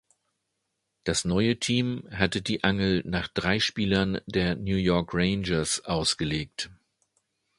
Das neue Team hatte die Angel nach drei Spielern der New York Rangers ausgelegt.